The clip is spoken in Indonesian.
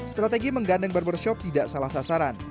strategi menggandeng barbershop tidak salah sasaran